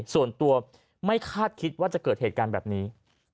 ส่วนตัวไม่คาดคิดว่าจะเกิดเหตุการณ์แบบนี้